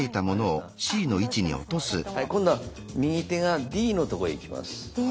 今度は右手がＤのとこへいきます。